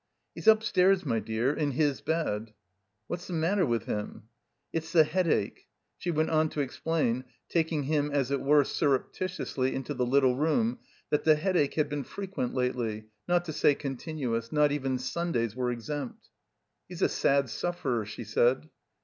"He's upstairs, my dear, in His bed." "What's the matter with him?" "It's the Headache," She went on to explain, taking him as it were surreptitiously into the little room, that the Headache had been frequent lately, not to say continuous ; not even Stmdays were exempt. "He's a sad suflferer," she said.